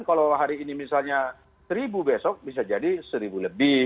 kalau hari ini misalnya seribu besok bisa jadi seribu lebih